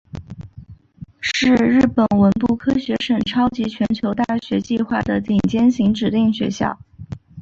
是日本文部科学省超级全球大学计划的顶尖型指定校。